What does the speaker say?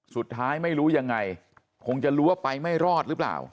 สุดท้ายไม่รู้ยังไงคงจะรู้ว่าไปไม่รอดหรือเปล่า